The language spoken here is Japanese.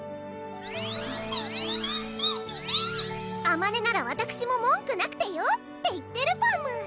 「あまねならわたくしも文句なくてよ！」って言ってるパム！